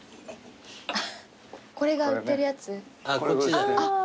これが売ってるやつ？